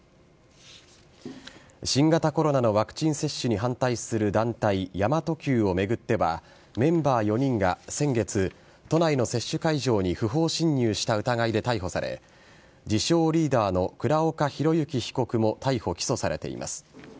新型コロナのワクチン接種に反対する団体神真都Ｑを巡ってはメンバー４人が先月都内の接種会場に不法侵入した疑いで逮捕され自称リーダーの倉岡宏行被告も逮捕・起訴されています。